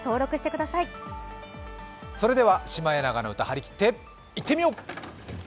それでは「シマエナガの歌」はりきっていってみよう。